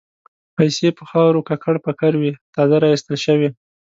پیسې په خاورو ککړ پکر وې تازه را ایستل شوې.